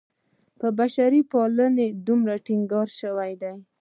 پر بشرپالنې دومره ټینګار شوی دی.